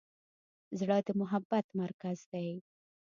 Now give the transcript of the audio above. زړه د محبت مرکز دی.